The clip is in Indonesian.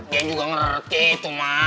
dia juga ngerti tuh ma